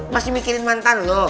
masih mikirin mantan lu